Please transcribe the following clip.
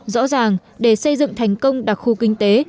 rõ ràng để xây dựng thành công đặc khu kinh tế